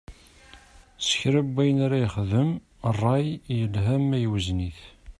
Si kra n wayen ara yexdem, ṛṛay, yelha ma iwzen-it.